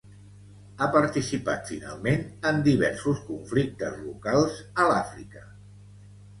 Ha participat finalment en diversos conflictes locals a l'Àfrica.